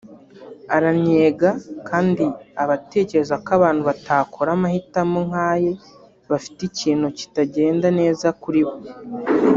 arannyegana kandi aba atekereza ko abantu batakora amahitamo nk’aye bafite ikintu kitagenda neza kuri bo